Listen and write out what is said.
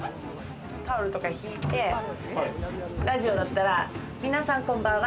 タオルとか引いて、ラジオだったら、皆さんこんばんは。